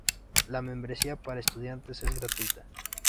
La membresía para estudiantes es gratuita.